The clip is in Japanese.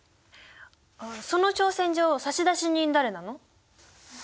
あっその挑戦状差出人誰なの？